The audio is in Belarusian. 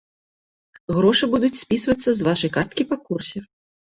Грошы будуць спісвацца з вашай карткі па курсе.